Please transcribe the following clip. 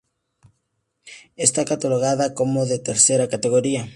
Está catalogada como de tercera categoría.